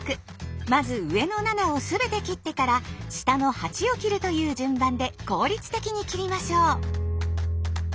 まず上の７をすべて切ってから下の８を切るという順番で効率的に切りましょう。